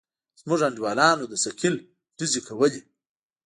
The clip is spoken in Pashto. زموږ انډيوالانو د ثقيل ډزې کولې.